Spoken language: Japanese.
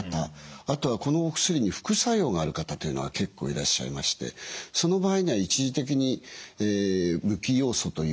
あとはこのお薬に副作用がある方というのは結構いらっしゃいましてその場合には一時的に無機ヨウ素というのを使うことがございます。